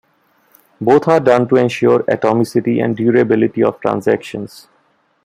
Both are done to ensure atomicity and durability of transactions.